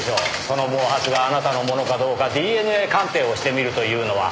その毛髪があなたのものかどうかＤＮＡ鑑定をしてみるというのは。